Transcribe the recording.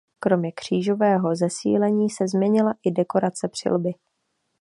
Kromě křížového zesílení se změnila i dekorace přilby.